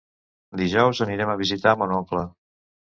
Dijous anirem a visitar mon oncle.